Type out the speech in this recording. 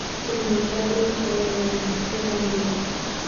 Bir muddat o`y xayollaringizga dam bering